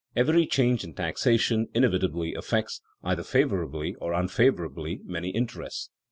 Every change in taxation inevitably affects, either favorably or unfavorably, many interests.